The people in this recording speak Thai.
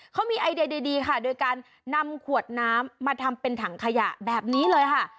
เขามีไอเดียดีค่ะโดยการนำขวดน้ำมาทำเป็นถังขยะแบบนี้เลยค่ะ